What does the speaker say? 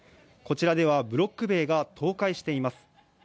こちらでは、ブロック塀が倒壊しています。